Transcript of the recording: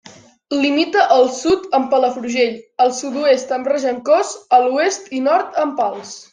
Limita al sud amb Palafrugell, al sud-oest amb Regencós, a l'oest i nord amb Pals.